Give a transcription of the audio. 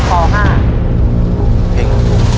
เพลงลุกทุ่ง